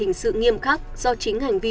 hình sự nghiêm khắc do chính hành vi